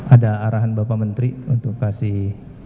ada arahan bapak menteri untuk kasih